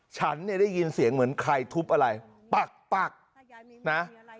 ฉันเนี่ยได้ยินเสียงเหมือนใครทุบอะไรปักปักนะ